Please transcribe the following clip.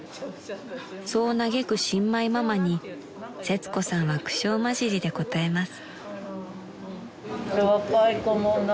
［そう嘆く新米ママにせつこさんは苦笑交じりで答えます］